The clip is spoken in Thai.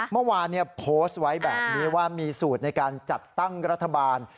เมื่อวานโพสต์ไว้แบบนี้ว่ามีสูตรในการจัดตั้งรัฐบาล